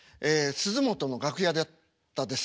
鈴本の楽屋だったです。